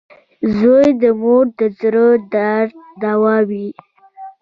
• زوی د مور د زړۀ درد دوا وي.